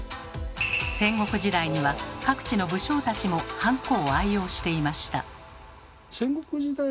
戦国時代には各地の武将たちもハンコを愛用していました。